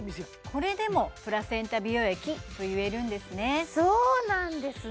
これでもプラセンタ美容液と言えるんですねそうなんですね！